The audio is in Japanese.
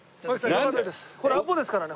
これアポですからね